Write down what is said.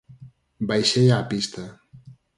Baixei á pista.